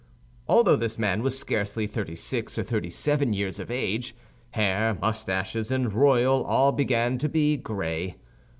Although this man was scarcely thirty six or thirty seven years of age, hair, mustaches, and royal, all began to be gray.